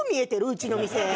うちの店。